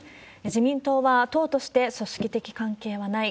自民党は、党として組織的関係はない。